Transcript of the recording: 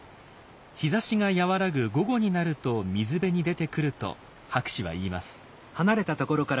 日ざしが和らぐ午後になると水辺に出てくると博士は言います。